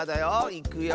いくよ！